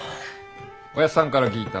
おやっさんから聞いた。